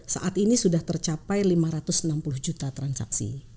saat ini sudah tercapai lima ratus enam puluh juta transaksi